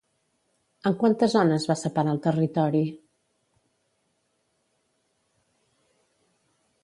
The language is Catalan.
En quantes zones va separar el territori?